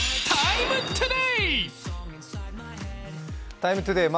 「ＴＩＭＥ，ＴＯＤＡＹ」